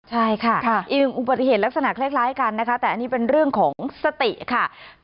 ใช่ค่ะอีกหนึ่งอุบัติเหตุลักษณะคล้ายกันนะคะแต่อันนี้เป็นเรื่องของสติค่ะ